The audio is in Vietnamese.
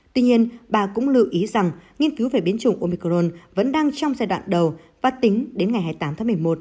tuy nhiên bà cũng lưu ý rằng nghiên cứu về biến chủng omicron vẫn đang trong giai đoạn đầu và tính đến ngày hai mươi tám tháng một mươi một